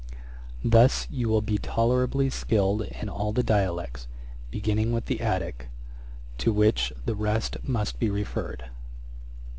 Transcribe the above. Attick and Dorick. 'Thus you will be tolerably skilled in all the dialects, beginning with the Attick, to which the rest must be referred.